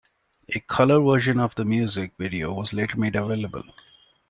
A colour version of the music video was later made available.